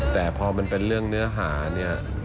แต่พอมันเป็นเรื่องเนื้อหาเนี่ย